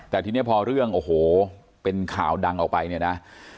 แต่ทีนี้พอเรื่องโอ้โหเป็นข่าวดังออกไปเนี่ยนะ